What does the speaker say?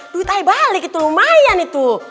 duit aik balik itu lumayan itu